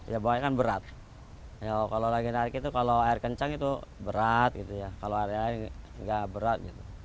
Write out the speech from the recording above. ya bahkan kan berat kalau lagi naik itu kalau air kencang itu berat kalau air lain nggak berat